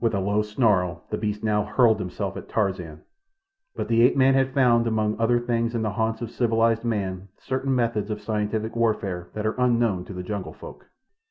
With a low snarl the beast now hurled himself at Tarzan, but the ape man had found, among other things in the haunts of civilized man, certain methods of scientific warfare that are unknown to the jungle folk.